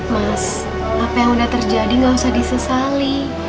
mas apa yang udah terjadi gak usah disesali